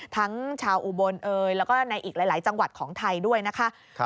ทั้งชาวอุบลเอยแล้วก็ในอีกหลายจังหวัดของไทยด้วยนะคะ